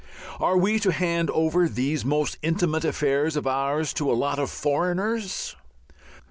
Are we to hand over these most intimate affairs of ours to "a lot of foreigners"?